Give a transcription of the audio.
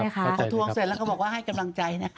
พอทวงเสร็จแล้วก็บอกว่าให้กำลังใจนะคะ